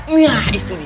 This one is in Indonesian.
nah itu dia